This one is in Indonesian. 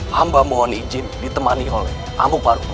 hamba mohon izin ditemani oleh amugmarugul